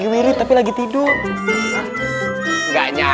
terima kasih ya